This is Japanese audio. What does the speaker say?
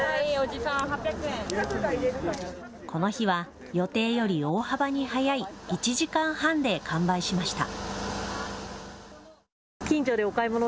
この日は予定より大幅に早い１時間半で完売しました。